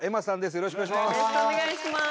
よろしくお願いします。